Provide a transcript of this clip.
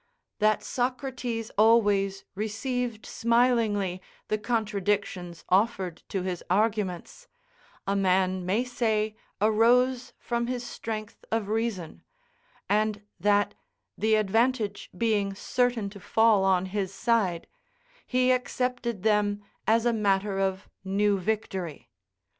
That Socrates always received smilingly the contradictions offered to his arguments, a man may say arose from his strength of reason; and that, the advantage being certain to fall on his side, he accepted them as a matter of new victory.